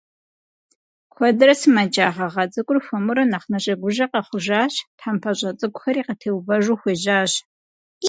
Куэдрэ сымэджа гъэгъа цIыкIур хуэмурэ нэхъ нэжэгужэ къэхъужащ, тхьэмпэщIэ цIыкIухэри къытеувэжу хуежьащ.